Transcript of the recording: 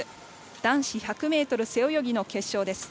男子１００ｍ背泳ぎの決勝です。